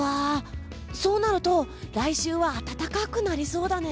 そうなると来週は暖かくなりそうだね。